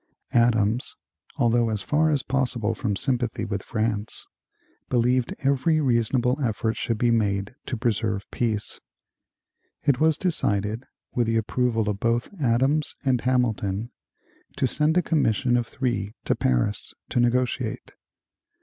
Adams, although as far as possible from sympathy with France, believed every reasonable effort should be made to preserve peace. It was decided, with the approval of both Adams and Hamilton, to send a commission of three to Paris, to negotiate.